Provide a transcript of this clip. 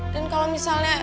dan kalau misalnya